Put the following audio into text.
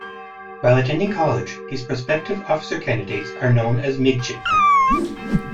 While attending college, these prospective officer candidates are known as Midshipmen.